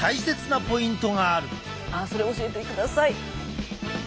それ教えてください。